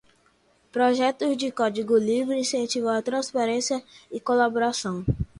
Projetos de código livre incentivam a transparência e colaboração.